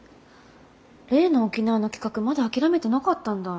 例の沖縄の企画まだ諦めてなかったんだ。